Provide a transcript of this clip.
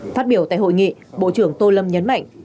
phát biểu tại hội nghị bộ trưởng tô lâm nhấn mạnh